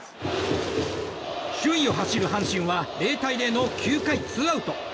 首位を走る阪神は０対０の９回、ツーアウト。